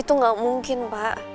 itu gak mungkin pak